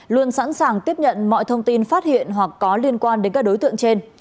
luôn sẵn sàng tiếp nhận mọi thông tin phát hiện hoặc có liên quan đến các đối tượng trên